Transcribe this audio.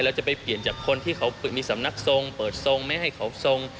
จะไปเปลี่ยนจากคนที่เขามีสำนักทรงเปิดทรงไม่ให้เขาทรง